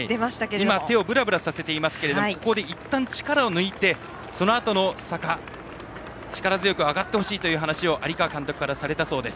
今、手をぶらぶらさせていましたがいったん、力を抜いてそのあとの坂力強く上がってほしいと有川監督からされたそうです。